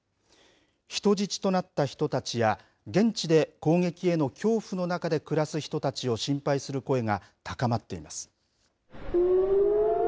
人質となった人たちや、現地で攻撃への恐怖の中で暮らす人たちを心配する声が高まっています。